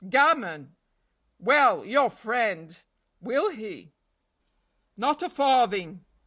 "Gammon! well, your friend! will he?" "Not a farthing!"